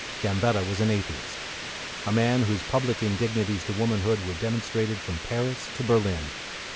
Gambetta was an atheist, a man whose public indignities to womanhood were demonstrated from Paris to Berlin.